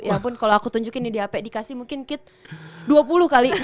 walaupun kalau aku tunjukin yang di ap dikasih mungkin kit dua puluh kali